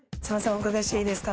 お伺いしていいですか？